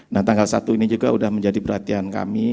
nah tanggal satu ini juga sudah menjadi perhatian kami